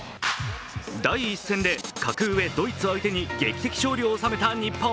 第１戦で格上ドイツに相手に劇的勝利を収めた日本。